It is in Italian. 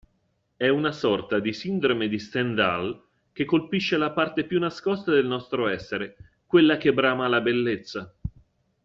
È una sorta di sindrome di Stendhal che colpisce la parte più nascosta del nostro essere, quella che brama la bellezza.